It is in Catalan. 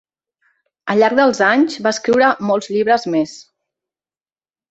Al llarg dels anys, va escriure molts llibres més.